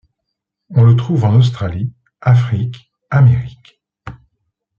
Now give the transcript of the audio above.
On le trouve en Australie, Afrique, Amérique.